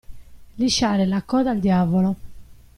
Lisciare la coda al diavolo.